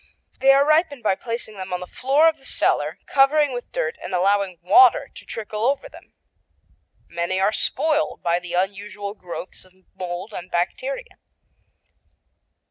They are ripened by placing them on the floor of the cellar, covering with dirt, and allowing water to trickle over them. Many are spoiled by the unusual growths of mold and bacteria.